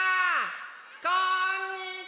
こんにちは！